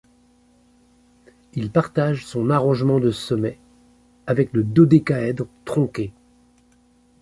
Il partage son arrangement de sommets avec le dodécaèdre tronqué.